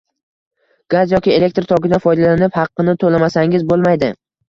Gaz yoki elektr tokidan foydalanib, haqqini to‘lamasangiz bo‘lmaydi.